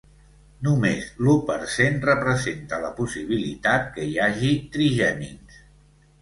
Només l’u per cent representa la possibilitat que hi hagi trigèmins.